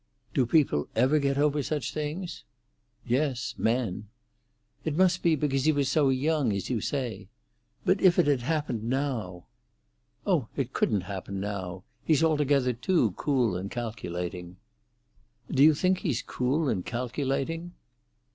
"Do people ever get over such things?" "Yes—men." "It must be because he was young, as you say. But if it had happened now?" "Oh, it couldn't happen now. He's altogether too cool and calculating." "Do you think he's cool and calculating?"